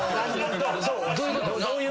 どういうこと？